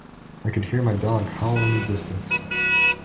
I could hear my dog howl in the distance.